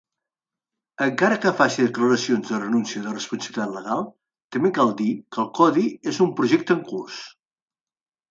Encara que faci declaracions de renuncia de responsabilitat legal, també cal dir que el codi és un projecte en curs.